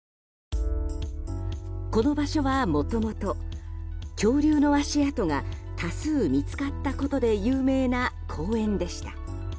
この場所は、もともと恐竜の足跡が多数見つかったことで有名な公園でした。